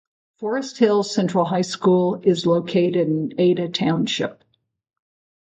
Forest Hills Central High School is located in Ada Township.